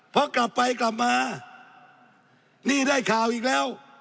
พอกลับไปกลับมานี่ได้ข่าวอีกแล้ว